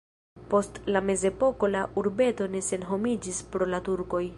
Post la mezepoko la urbeto ne senhomiĝis pro la turkoj.